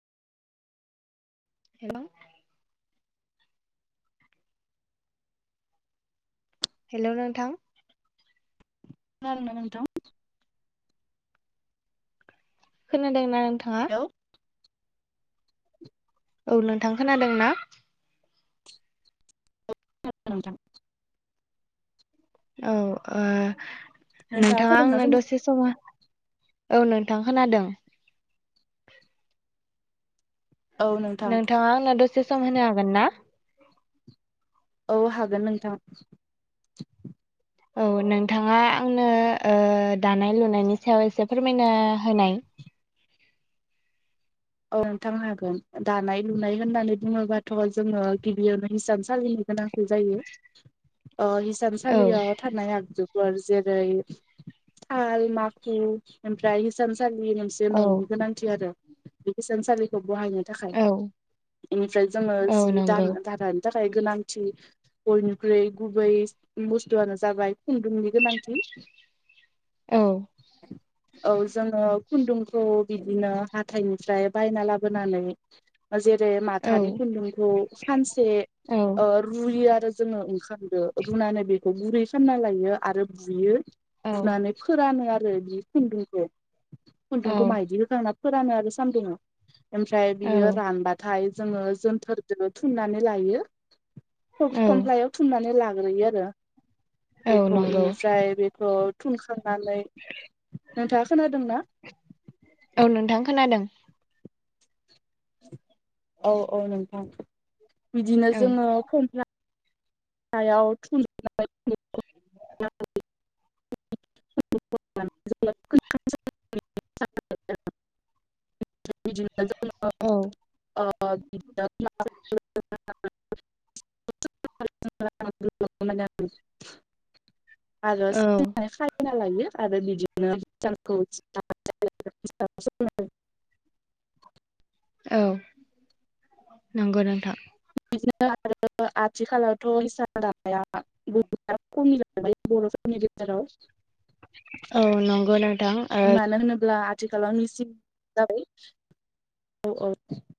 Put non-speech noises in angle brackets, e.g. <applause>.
हेल' hello नोंथां खोनादों ना नोंथां? खोनादों ना नोंथाङा? <inaudible> औ नोंथां खोनादों ना? औ नोंथां औ ओ नोंथाङा खोनादोंना आंनो खोनायाखै दसे समा औ नोंथां खोनादों। औ नोंथां नोंथाङा आंनो दसे सम होनो हागोन ना? औ हागोन नोंथां। औ नोंथाङा आंनो ओ दानाय लुनायनि सायाव एसे फोरमायनो होनाय। औ नोंथां हागोन दानाय लुनाय होननानै बुङोबाथ' जोङो गिबियावनो हिसान सालिनि गोनां जायो। <inaudible> ओ औ हिसानसालियाव थानाय आगजु। जेरै थाल माखु ओमफ्राय इसानसालि। औ <unintelligible> गोनांथि आरो इसान सानसालिखौ बहायनो थाखाय औ एनिफ्राय जोङो औ जि नंगौ दान दारान। थाखाय गोनांथि बयनिख्रुइ गुबै बुस्थुआनो जाबाय। खुन्दुंनि गोनांथि। <inaudible> औ औ जोङो खुन्दुंखौ बिदिनो हाथाइनिफ्राय बायना लाबोनानै जेरै औ माथानि खुन्दुंखौ सानसे औ ओ रुयो आरो जोङो ओंखाम। दो रुनानै बेखौ गुरै सोमना लायो आरो बुयो। औ बुनानै फोरानो आरो बि खुन्दुंखौ खुन्दुंखौ माइदि होखांना। फोरानो आरो सानदुङाव ओमफ्राय औ बियो रानबाथाय। जोङो जोनथोरजोंनो थुननानै लायो। औ ख-खम्लायाव थुमनानै लाग्रोयो आरो औ बेखौ नंगौ एनिफ्राय बेखौ थुनखांनानै नोंथाङा खोनादोंना? औ नोंथां खोनादों। औ औ नोंथां बिदिनो औ जोङो फम्फ्ला हायाव थुन <unintelligible> <unintelligible> <unintelligible> औ <unintelligible> <unintelligible> आरो औ <unintelligible> खाना लायो आरो बिदिनो <unintelligible> औ नंगौ नोंथां। <unintelligible> आथिखालावथ' <unintelligible> हेल' मानो औ नंगौ नोंथां ओ होनोब्ला खाथि खाालनिसिम जाबाय औ औ